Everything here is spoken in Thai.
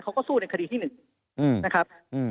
เขาก็สู้ในคดีที่๑นะครับ